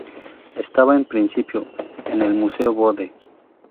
Estaba, en principio, en el Museo Bode.